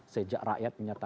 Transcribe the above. sejak rakyat menyatakan